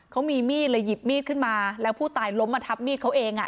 เขามีมีดเลยหยิบมีดขึ้นมาแล้วผู้ตายล้มมาทับมีดเขาเองอ่ะ